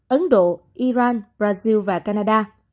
ấn độ iran brazil và canada